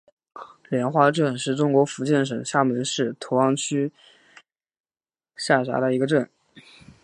莲花镇是中国福建省厦门市同安区下辖的一个镇。